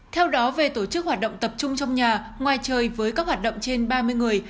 theo đó về tổ chức hoạt động tập trung trong nhà ngoài trời với các hoạt động trên ba mươi người